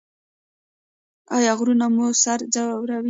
ایا غږونه مو سر ځوروي؟